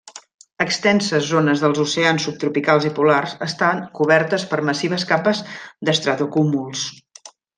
Extenses zones dels oceans subtropicals i polars estan cobertes per massives capes d'estratocúmuls.